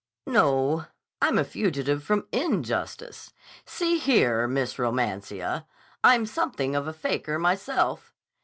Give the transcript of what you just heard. "No. I'm a fugitive from injustice. See here, Miss Romancia, I'm something of a faker myself.